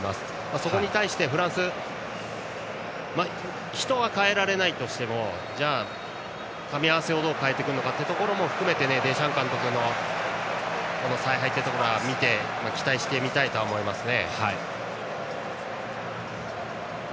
そこに対して、フランスは人は代えられないとしてもじゃあ、かみ合わせをどう変えてくるのかも含めてデシャン監督の采配を期待して見たいと思いますね。